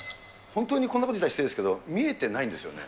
本当にこんなこと言ったら失礼ですけど、見えてないんですよね？